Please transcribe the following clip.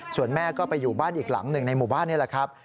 ส่วนแม่ก็ไปอยู่บ้านอีกหลังหนึ่งในหมู่บ้านนี่แหละครับ